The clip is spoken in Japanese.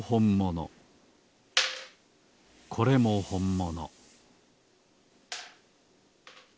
これもほんもの